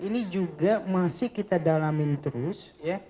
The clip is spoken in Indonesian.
ini juga masih kita dalamin terus ya